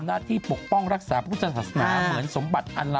มิสแกรนมาม